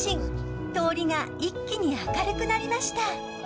通りが一気に明るくなりました。